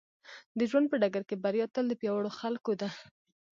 د ژوند په ډګر کې بريا تل د پياوړو خلکو ده.